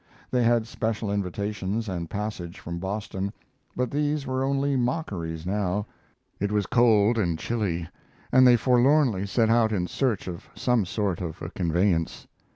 They had special invitations and passage from Boston, but these were only mockeries now. It yeas cold and chilly, and they forlornly set out in search of some sort of a conveyance.